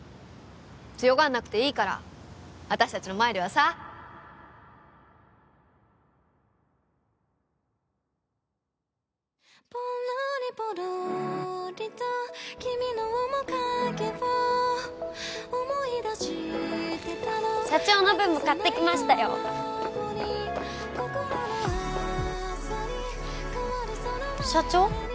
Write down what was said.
強がんなくていいから私たちの前ではさ社長の分も買ってきましたよ社長？